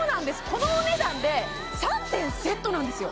このお値段で３点セットなんですよ